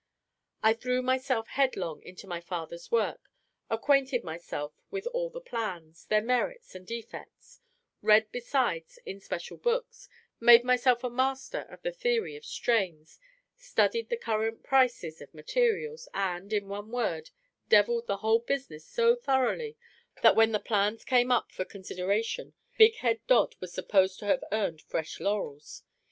I threw myself headlong into my father's work, acquainted myself with all the plans, their merits and defects, read besides in special books, made myself a master of the theory of strains, studied the current prices of materials, and (in one word) "devilled" the whole business so thoroughly, that when the plans came up for consideration, Big Head Dodd was supposed to have earned fresh laurels.